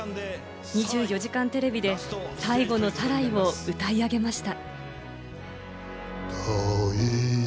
『２４時間テレビ』で最後の『サライ』を歌い上げました。